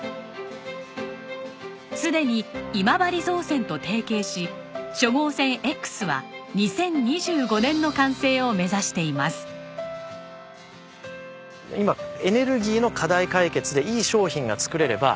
すでに今治造船と提携し初号船Ｘは２０２５年の完成を目指しています。と思ってます。